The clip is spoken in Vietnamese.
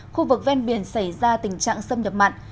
khu vực ven biển xảy ra tình trạng xâm nhập mặn